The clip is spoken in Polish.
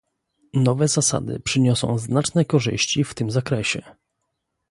Nowe zasady przyniosą znaczne korzyści w tym zakresie